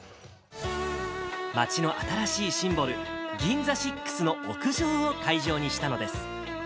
街の新しいシンボル、ギンザシックスの屋上を会場にしたのです。